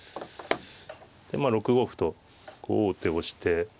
でまあ６五歩と王手をして。